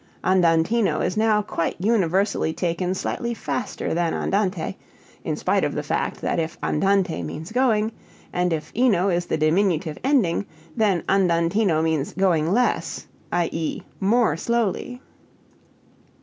Andantino is now quite universally taken slightly faster than andante, in spite of the fact that if andante means "going," and if "ino" is the diminutive ending, then andantino means "going less," i.e., more slowly!